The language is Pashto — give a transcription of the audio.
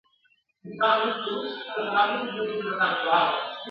را رواني به وي ډلي د ښایستو مستو کوچیو ,